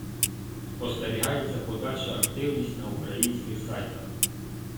спостерігається подальша активність на українських сайтах